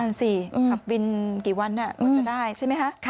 นั่นสิขับบินกี่วันกว่าจะได้ใช่ไหมคะ